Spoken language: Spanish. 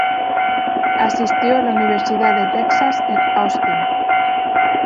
Asistió a la Universidad de Texas en Austin.